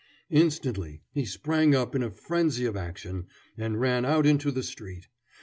Instantly he sprang up in a frenzy of action, and ran out into the street.